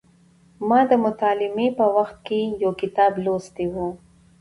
ما د متعلمۍ په وخت کې یو کتاب لوستی و.